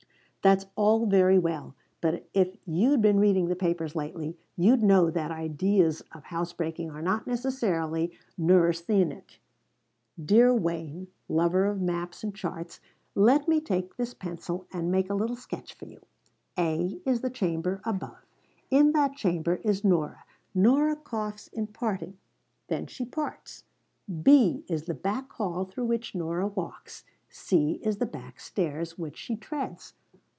"That's all very well! But if you'd been reading the papers lately you'd know that ideas of house breaking are not necessarily neurasthenic." "Dear Wayne, lover of maps and charts, let me take this pencil and make a little sketch for you. A is the chamber above. In that chamber is Nora. Nora coughs in parting. Then she parts. B is the back hall through which Nora walks. C is the back stairs which she treads.